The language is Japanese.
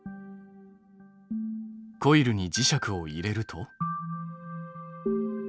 コイルに磁石を入れると。